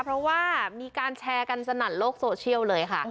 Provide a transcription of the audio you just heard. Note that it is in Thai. เพราะว่ามีการแชร์กันสนั่นโลกโซเชียลเลยค่ะ